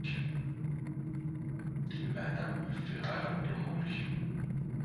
Lameɛna ur ffiɣeɣ ara i lumuṛ-ik.